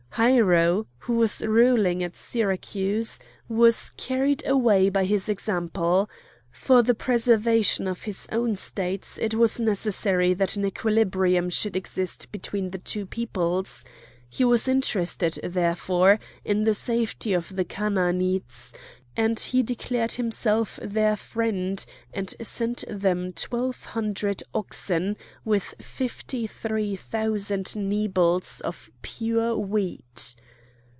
Hiero, who was ruling at Syracuse, was carried away by this example. For the preservation of his own States it was necessary that an equilibrium should exist between the two peoples; he was interested, therefore, in the safety of the Chanaanites, and he declared himself their friend, and sent them twelve hundred oxen, with fifty three thousand nebels of pure wheat.